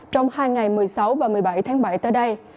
trong hai ngày một mươi sáu và một mươi bảy tháng bảy tới đây